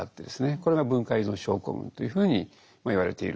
これが文化依存症候群というふうに言われている。